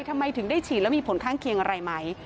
ทำไมถึงได้ฉีดแล้วมีผลข้างเคียงอะไรไหม